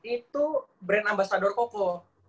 itu brand ambassador koko